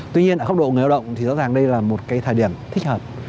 tuy nhiên ở góc độ người lao động thì rõ ràng đây là một cái thời điểm thích hợp